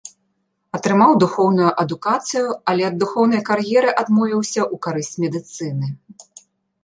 Атрымаў духоўную адукацыю, але ад духоўнай кар'еры адмовіўся ў карысць медыцыны.